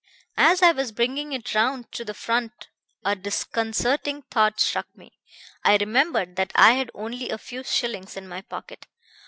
"As I was bringing it round to the front a disconcerting thought struck me. I remembered that I had only a few shillings in my pocket.